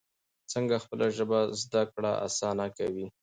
څنګه خپله ژبه زده کړه اسانه کوي؟